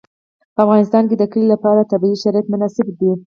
په افغانستان کې د کلي لپاره طبیعي شرایط مناسب دي.